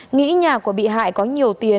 nghĩ nhà của bị hại có nhiều tiền